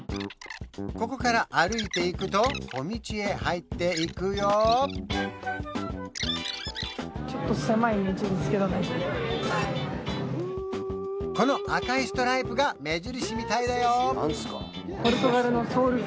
ここから歩いていくと小道へ入っていくよこの赤いストライプが目印みたいだよ